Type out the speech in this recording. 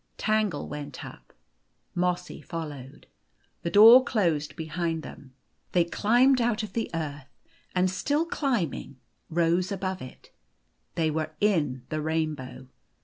Tangle went up. Mossy fol lowed. The door closed behind them. They climbed out of the earth ; and, still climbing, rose above it. They were in the rainbow.